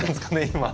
今。